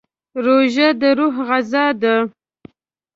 روژه د روح غذا ده.